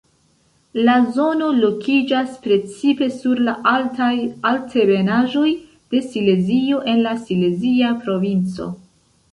La zono lokiĝas precipe sur la altaj altebenaĵoj de Silezio en la Silezia provinco.